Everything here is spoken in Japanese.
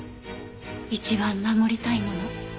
一番守りたいもの。